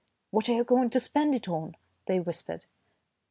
"What are you going to spend it on?" they whispered.